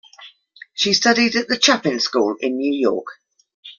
She studied at the Chapin School in New York.